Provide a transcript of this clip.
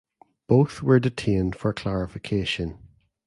Both were detained for clarification.